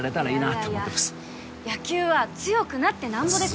いやいや野球は強くなってなんぼですよ